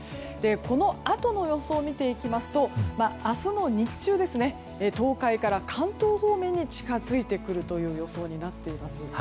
このあとの予想を見ていきますと明日の日中東海から関東方面に近づいてくる予想になっています。